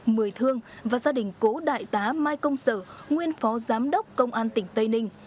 mười thương và gia đình cố đại tá mai công sở nguyên phó giám đốc công an tỉnh tây ninh